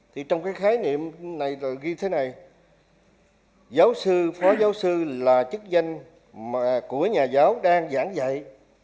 thì trong cái khái niệm này rồi như thế này giáo sư phó giáo sư là chức danh của nhà giáo đang giảng dạy